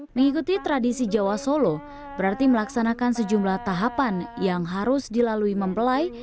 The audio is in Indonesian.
mengikuti tradisi jawa solo berarti melaksanakan sejumlah tahapan yang harus dilalui mempelai